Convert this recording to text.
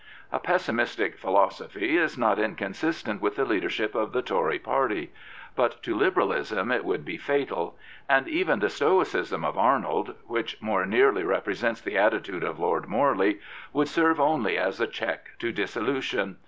A pessimistic philosophy is not inconsistent with the ISO Lord Morley of Blackburn leadership of the Tory party, but to Liberalism it would be fatal; and even the Stoicism of Arnold — which more nearly represents the attitude of Lord Morley — would serve only as a check to dissolution.